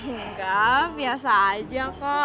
enggak biasa aja kok